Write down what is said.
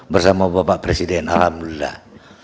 bersama bapak presiden alhamdulillah